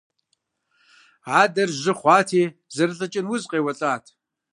Адэр жьы хъуати зэрылӀыкӀын уз къеуэлӀат.